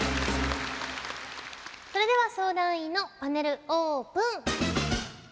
それでは相談員のパネルオープン。